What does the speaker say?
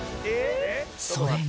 ［それが］